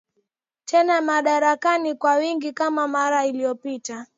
tena madarakani kwa wingi kama mara iliopita